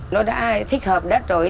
nó đã thích hợp đất rồi